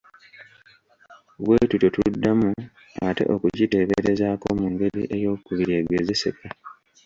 Bwe tutyo tuddamu ate okukiteeberezaako mu ngeri eyookubiri egezeseka.